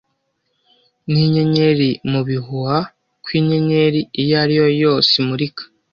ninyenyeri mubihuha ko inyenyeri iyo ari yo yose imurika